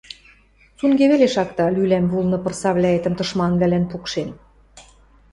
Цунге веле шакта – лӱлӓм вулны пырсавлӓэтӹм тышманвлӓлӓн пукшем.